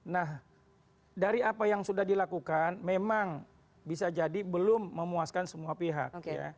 nah dari apa yang sudah dilakukan memang bisa jadi belum memuaskan semua pihak